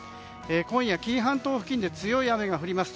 今夜、紀伊半島付近で強い雨が降ります。